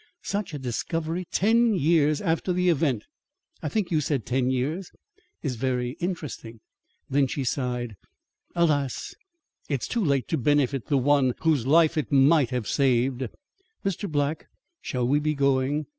Such a discovery ten years after the event (I think you said ten years) is very interesting." Then she sighed: "Alas! it's too late to benefit the one whose life it might have saved. Mr. Black, shall we be going?